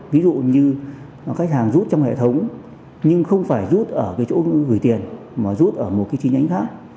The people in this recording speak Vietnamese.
ví dụ như khách hàng rút trong hệ thống nhưng không phải rút ở cái chỗ gửi tiền mà rút ở một cái chi nhánh khác